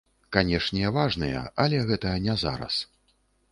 Канешне, важныя, але гэта не зараз.